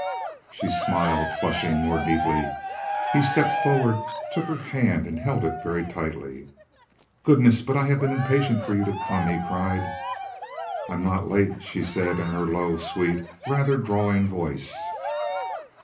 She smiled, flushing more deeply. He stepped forward, took her hand, and held it very tightly. "Goodness! But I have been impatient for you to come!" he cried. "I'm not late," she said in her low, sweet, rather drawling voice.